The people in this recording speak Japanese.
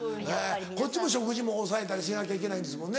こっちも食事も抑えたりしなきゃいけないんですもんね？